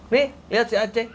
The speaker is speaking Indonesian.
nih liat si aceh